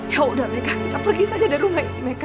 ya udah meca kita pergi saja dari rumah ini meca